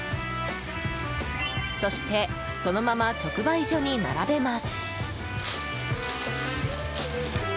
そしてそのまま直売所に並べます。